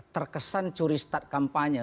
terkesan curi stat kampanye